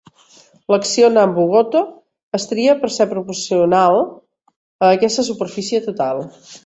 L'acció Nambu-Goto es tria per ser proporcional a aquesta superfície total.